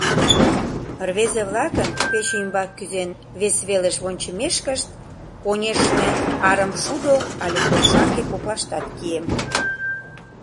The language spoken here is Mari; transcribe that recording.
Рвезе-влакын, пече ӱмбак кӱзен, вес велыш вончымешкышт, конешне, арымшудо але коршаҥге коклаштат кием.